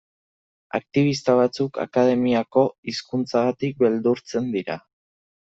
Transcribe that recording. Aktibista batzuk akademiako hizkuntzagatik beldurtzen dira.